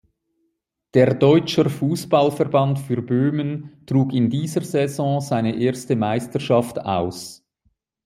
Der Deutscher Fußball-Verband für Böhmen trug in dieser Saison seine erste Meisterschaft aus.